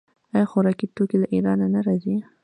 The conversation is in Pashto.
آیا خوراکي توکي له ایران نه راځي؟